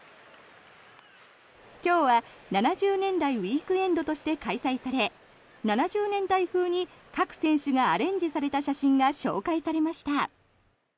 今日は７０年代ウィークエンドとして開催され７０年代風に各選手がアレンジされた写真が紹介されました。